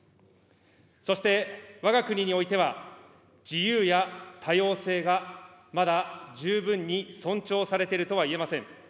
そして、わが国においては自由や多様性がまだ十分に尊重されているとはいえません。